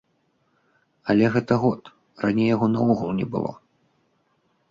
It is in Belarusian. Але гэта год, раней яго наогул не было.